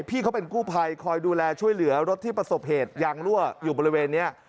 พี่เขาเป็นกู้ภัยคอยดูแลช่วยเหลือรถที่ประสบเหตุยางรั่วอยู่บริเวณนี้